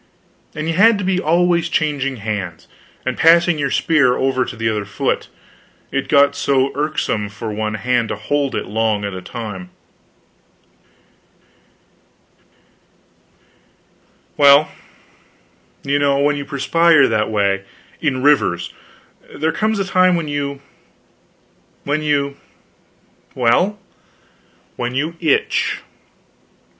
And you had to be always changing hands, and passing your spear over to the other foot, it got so irksome for one hand to hold it long at a time. Well, you know, when you perspire that way, in rivers, there comes a time when you when you well, when you itch.